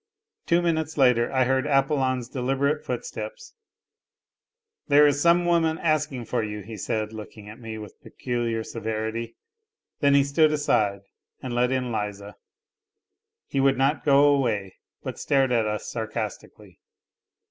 Two minutes later I heard Apollon's deliberate footsteps. " There is some woman asking for you," he said, looking at me with peculiar severity. Then he stood aside and let in Liza. He would not go away, but stared at us sarcastically.